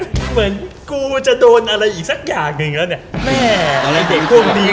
เหมือนกูจะโดนอะไรอีกสักอย่างอีกแล้วเนี่ย